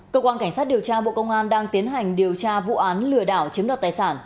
cơ quan cảnh sát điều tra bộ công an đang tiến hành điều tra vụ án lừa đảo chiếm đoạt tài sản